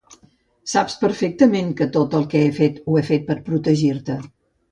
Saps perfectament que tot el que he fet ho he fet per protegir-te.